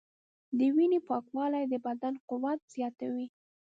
د وینې پاکوالی د بدن قوت زیاتوي.